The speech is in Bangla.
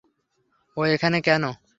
ও এখানে কেনো?